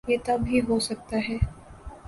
یہ تب ہی ہو سکتا ہے۔